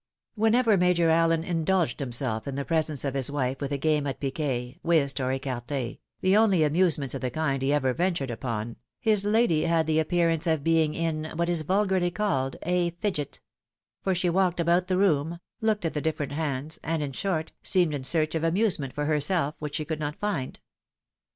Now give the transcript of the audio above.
Whenever Major Allen indulged himself in the presence of his wife with a game at piquet, whist, or eoarte, the only amusements of the kind he ever ventured upon, his lady had the appearance of being in, what is vulgarly called, a fidget ; for she walked about the room, looked at the different hands, and, in short, seemed in search of amusement for herself which she could not find.